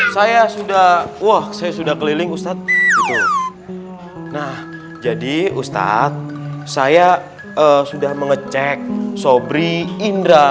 saya sudah wah saya sudah keliling ustadz nah jadi ustadz saya sudah mengecek sobri indra